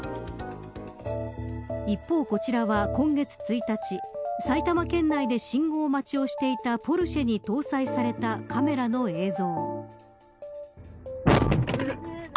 一方、こちらは今月１日埼玉県内で信号待ちをしていたポルシェに搭載されたカメラの映像。